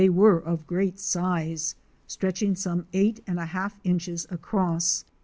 were of great size, stretching some eight and a half inches across.